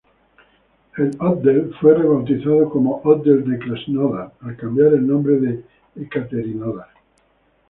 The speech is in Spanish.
El "otdel" fue rebautizado como "otdel de Krasnodar", al cambiar el nombre de Ekaterinodar.